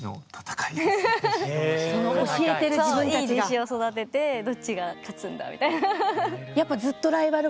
いい弟子を育ててどっちが勝つんだみたいな。